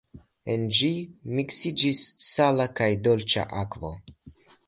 En ĝi miksiĝas sala kaj dolĉa akvo.